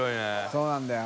そうなんだよ。